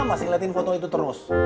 masih ngeliatin foto itu terus